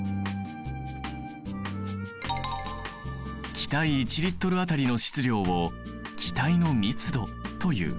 気体１Ｌあたりの質量を気体の密度という。